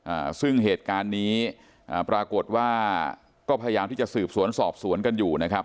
อ่าซึ่งเหตุการณ์นี้อ่าปรากฏว่าก็พยายามที่จะสืบสวนสอบสวนกันอยู่นะครับ